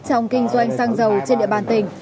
trong kinh doanh xăng dầu trên địa bàn tỉnh